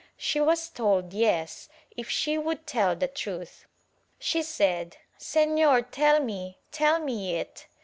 She was told, yes, if she would tell the truth. She said, "Senor tell me, tell me it."